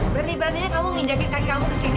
berani beraninya kamu nginjakin kaki kamu kesini